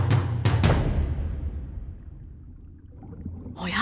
おや？